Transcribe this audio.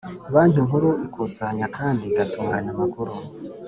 Banki Nkuru ikusanya kandi igatunganya amakuru